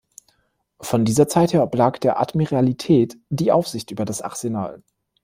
Von dieser Zeit her oblag der Admiralität die Aufsicht über das Arsenal.